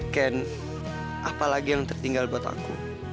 ken apa lagi yang tertinggal buat aku